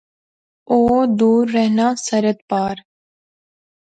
او دور رہنا، سرحد پار